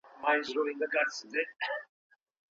ولي هوډمن سړی د پوه سړي په پرتله ډېر مخکي ځي؟